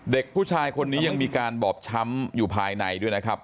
เด็กผู้ชายคนนี้ยังมีการบอบช้ำอยู่ภายในด้วยนะครับ